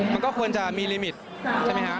มันก็ควรจะมีลิมิตใช่ไหมฮะ